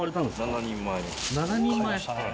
７人前。